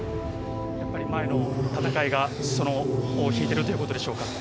やっぱり前の戦いが、その尾を引いてるということでしょうか。